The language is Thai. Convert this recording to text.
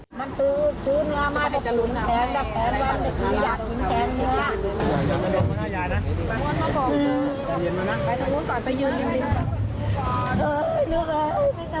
ขอบคุณทุกคนนะคะขอบคุณค่ะขอบคุณค่ะ